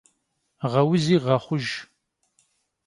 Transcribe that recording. Ğeuzi ğexhujj.